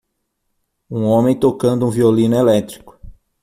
um homem tocando um violino elétrico.